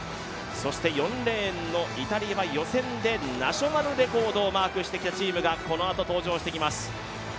４レーンのイタリアは予選でナショナルレコードをマークしてきたチームがこのあと登場してきます。